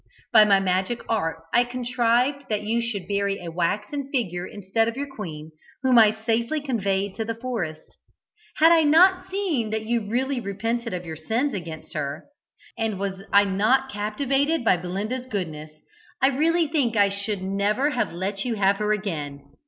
By my magic art I contrived that you should bury a waxen figure instead of your queen, whom I safely conveyed to the forest. Had I not seen that you really repented of your sins against her, and was I not captivated by Belinda's goodness, I really think I should never have let you have her again.